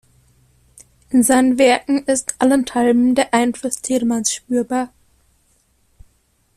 In seinen Werken ist allenthalben der Einfluss Telemanns spürbar.